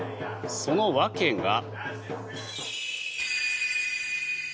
その訳が。